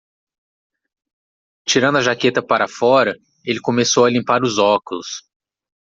Tirando a jaqueta para fora? ele começou a limpar os óculos.